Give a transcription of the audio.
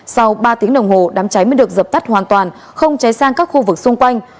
sau ba tiếng đồng hồ đám cháy mới được dập tắt hoàn toàn không cháy sang các khu vực xung quanh